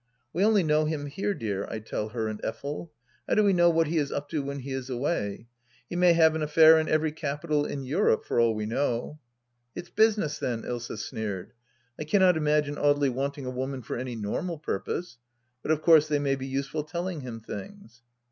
" We only know him here, dear," I tell her and Effel, " How do we know what he is up to when he is away ? He may have an affair in every capital in Europe, for all we know 1 "" It's business, then," Ilsa sneered. " I cannot imagine Audely wanting a woman for any normal purpose, ... But of course they may be useful telling him things.